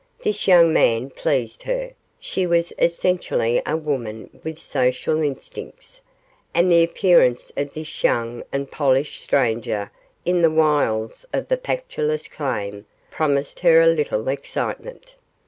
This young man pleased her. She was essentially a woman with social instincts, and the appearance of this young and polished stranger in the wilds of the Pactolus claim promised her a little excitement.